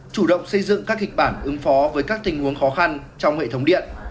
chủ động xây dựng các kịch bản ứng phó với các tình huống khó khăn trong hệ thống điện